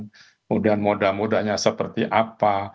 kemudian moda modanya seperti apa